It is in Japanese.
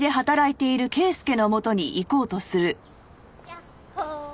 やっほ！